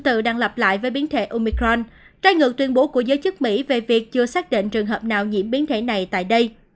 trái ngược tuyên bố của giới chức mỹ về việc chưa xác định trường hợp nào nhiễm biến thể này tại đây